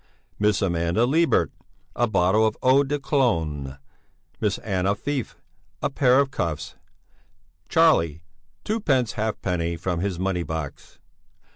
Miss Amanda Libert, a bottle of eau de Cologne. Miss Anna Feif, a pair of cuffs. Charlie, twopence halfpenny from his money box.